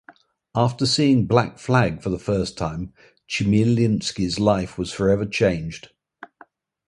After seeing Black Flag for the first time, Chmielinski's life was forever changed.